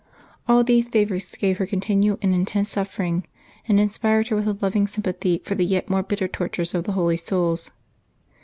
All these favors gave her continual and intense suffering, and inspired her with a loving sympathy for the yet more bitter tortures of the Holy Souls.